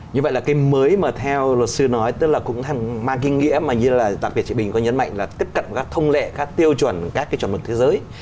như vậy là cái mới mà theo luật sư nói tức là cũng mang kinh nghĩa mà như là đặc biệt chị bình có nhấn mạnh là tiếp cận các thông lệ các tiêu chuẩn các cái chuẩn mực thế giới